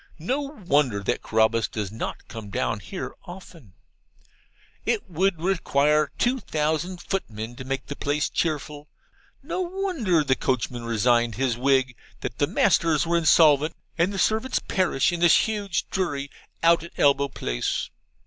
No wonder that Carabas does not come down here often. It would require two thousand footmen to make the place cheerful. No wonder the coachman resigned his wig, that the masters are insolvent, and the servants perish in this huge dreary out at elbow place.